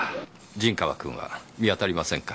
陣川君は見当たりませんか？